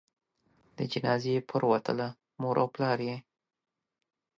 د جنازې پروتله؛ مور او پلار یې